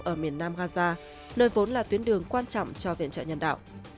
ở miền nam gaza nơi vốn là tuyến đường quan trọng cho viện trợ nhân đạo